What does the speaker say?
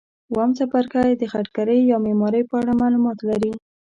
اووم څپرکی د خټګرۍ یا معمارۍ په اړه معلومات لري.